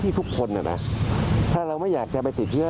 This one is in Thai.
ถ้าทุกคนจะไปมาหาส่วนทั้งหมดเลยเนี่ย